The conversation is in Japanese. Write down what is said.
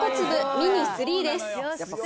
ミニ３です。